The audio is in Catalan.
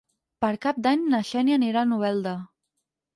Per Cap d'Any na Xènia anirà a Novelda.